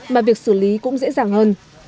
mà việc xử lý cũng dễ dàng hơn